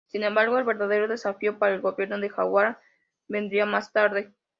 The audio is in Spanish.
Sin embargo, el verdadero desafío para el gobierno de Jawara vendría más tarde.